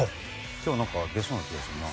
今日は出そうな気がするな。